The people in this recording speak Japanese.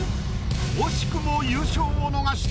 惜しくも優勝を逃した。